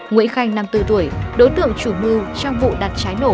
nguyễn khanh năm mươi bốn tuổi đối tượng chủ mưu trong vụ đặt trái nổ